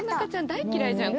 大嫌いじゃん